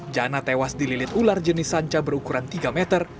jana tewas dililit ular jenis sanca berukuran tiga meter